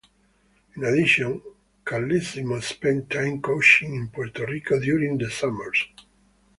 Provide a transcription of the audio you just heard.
In addition, Carlesimo spent time coaching in Puerto Rico during the summers.